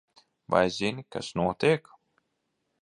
Vai zini, kas notiek?